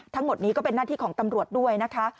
ทั้งหมดนี้ก็เป็นหน้าที่ของตำรวจด้วยนะคะ